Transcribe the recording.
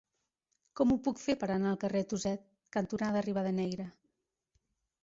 Com ho puc fer per anar al carrer Tuset cantonada Rivadeneyra?